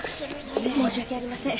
申し訳ありません。